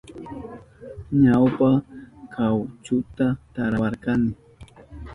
Ñawpa kawchuta tarawarkani.